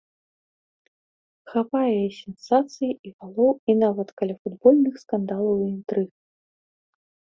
Хапае і сенсацый, і галоў, і нават каляфутбольных скандалаў і інтрыг.